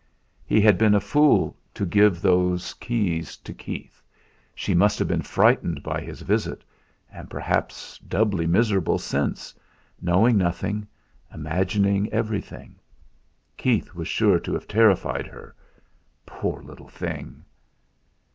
He had been a fool to give those keys to Keith. She must have been frightened by his visit; and, perhaps, doubly miserable since, knowing nothing, imagining everything! Keith was sure to have terrified her. Poor little thing!